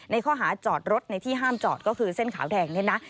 ในข้อหาจอดรถในที่ห้ามจอดก็คือเส้นขาวแดงเนี่ยนะ